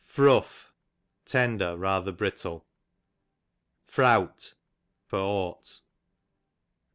Frough, tender, rather brittle. Frowt, for ought.